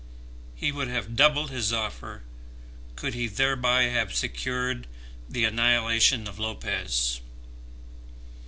He would have doubled his offer could he thereby have secured the annihilation of Lopez.